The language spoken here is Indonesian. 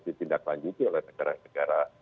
ditindaklanjuti oleh negara negara